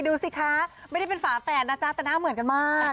ดูสิคะไม่ได้เป็นฝาแฝดนะจ๊ะแต่หน้าเหมือนกันมาก